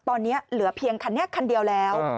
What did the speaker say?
ตอนนี้เหลือเพียงคันนี้คันเดียวแล้ว